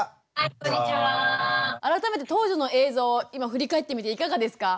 改めて当時の映像を今振り返ってみていかがですか？